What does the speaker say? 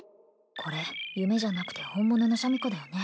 これ夢じゃなくて本物のシャミ子だよね